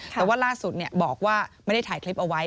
แต่ว่าล่าสุดบอกว่าไม่ได้ถ่ายคลิปเอาไว้